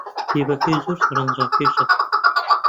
کتێبەکەی زۆر سەرنجڕاکێشە.